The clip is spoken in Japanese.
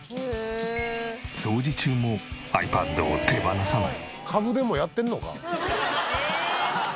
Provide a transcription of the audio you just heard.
掃除中もｉＰａｄを手放さない。